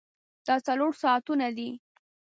دا څلور ساعتونه دي.